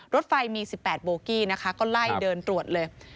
รถไฟมี๑๘โบกี้นะคะก็ไล่เดินตรวจเลย